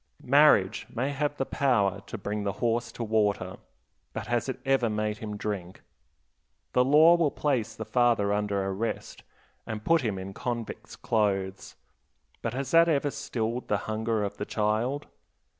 Marriage may have the power to bring the horse to water, but has it ever made him drink? The law will place the father under arrest, and put him in convict's clothes; but has that ever stilled the hunger of the child?